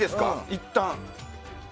いったん。